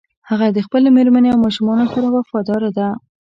هغه د خپلې مېرمنې او ماشومانو سره وفاداره ده